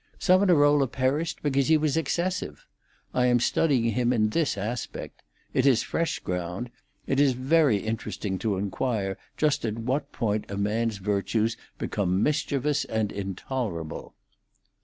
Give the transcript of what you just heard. Savonarola perished because he was excessive. I am studying him in this aspect; it is fresh ground. It is very interesting to inquire just at what point a man's virtues become mischievous and intolerable."